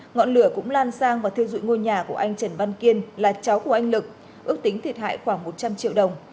ngọn lửa cũng lan sang và thiêu dụi ngôi nhà của anh trần văn kiên là cháu của anh lực ước tính thiệt hại khoảng một trăm linh triệu đồng